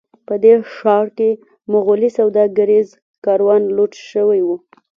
په دې ښار کې مغولي سوداګریز کاروان لوټ شوی و.